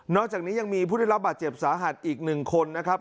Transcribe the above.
อกจากนี้ยังมีผู้ได้รับบาดเจ็บสาหัสอีก๑คนนะครับ